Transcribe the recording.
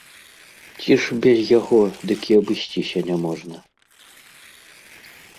Ці ж без яго дык і абысціся няможна.